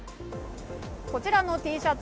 こちらのＴシャツ